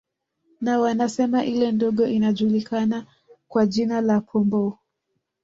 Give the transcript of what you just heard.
Na wanasema ile ndogo inajulikana kwa jina la Pomboo